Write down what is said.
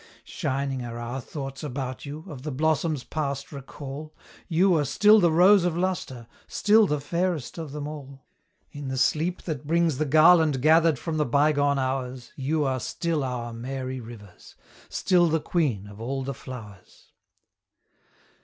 Shining are our thoughts about you of the blossoms past recall, You are still the rose of lustre still the fairest of them all; In the sleep that brings the garland gathered from the bygone hours, You are still our Mary Rivers still the queen of all the flowers.